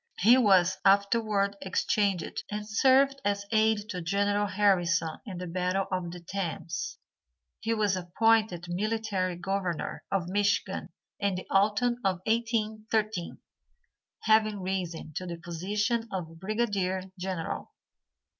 He was afterward exchanged and served as aid to General Harrison in the battle of the Thames. He was appointed military governor of Michigan in the autumn of 1813, having risen to the position of Brigadier General.